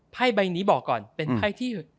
ใบนี้บอกก่อนเป็นไพ่ที่